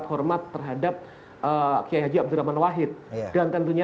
kalangan generasi milenial pasti kemudian sangat hormat terhadap kiai abdul rahman wahid dan tentunya